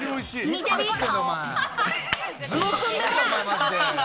見てみ、顔。